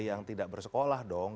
yang tidak bersekolah dong